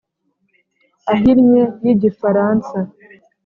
Ahinnye y igifaransa